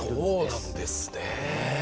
そうなんですね。